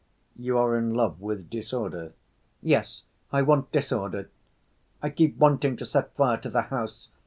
"You are in love with disorder?" "Yes, I want disorder. I keep wanting to set fire to the house.